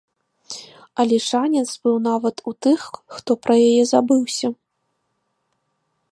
Але шанец быў нават у тых, хто пра яе забыўся.